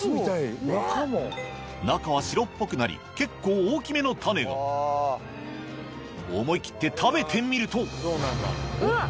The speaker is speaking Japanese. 中は白っぽくなり結構大きめの種が思い切って食べてみるとんっ。